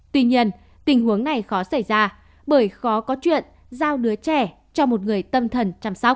tuy nhiên tình huống này khó xảy ra bởi khó có chuyện giao đứa trẻ cho một người tâm thần chăm sóc